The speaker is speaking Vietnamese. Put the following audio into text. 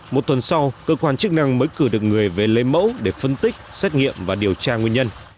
một tuần sau cơ quan chức năng mới cử được người về lấy mẫu để phân tích xét nghiệm và điều tra nguyên nhân